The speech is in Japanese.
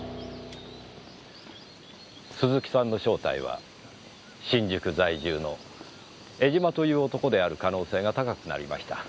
鈴木さんの正体は新宿在住の江島という男である可能性が高くなりました。